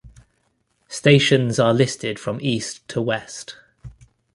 Stations are listed from east to west.